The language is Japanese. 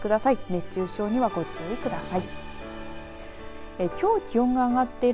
熱中症には、ご注意ください。